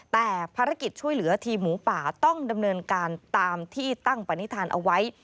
แต่ภารกิจช่วยเหลือทีมหมูป่าต้องดำเนินการตามที่ตั้งปณิธานเอาไว้